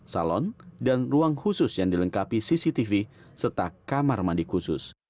salon dan ruang khusus yang dilengkapi cctv serta kamar mandi khusus